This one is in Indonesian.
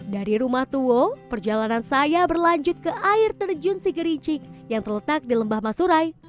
dari rumah tuwo perjalanan saya berlanjut ke air terjun sigerincing yang terletak di lembah masurai